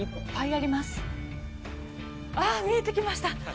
ああ、見えてきました。